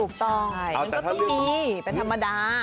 ถูกต้องมันก็ต้องมีเป็นธรรมดา